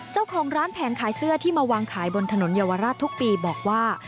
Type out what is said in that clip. เจ้าของร้านแผงขายเสื้อที่มาวางขายบนถนนเยาวราชทุกปีบอกว่า